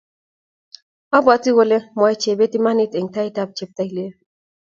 abwati kole mwae Chebet imanit eng taitab cheptailel